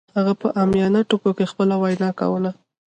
هغه په عامیانه ټکو کې خپله وینا کوله